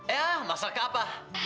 ya masak apa